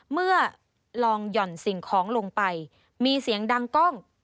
เมื่อลองหย่อนสิ่งของลงไปมีเสียงดังกล้อง